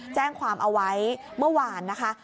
แจ้งความเอาไว้เมื่อวานนะคะ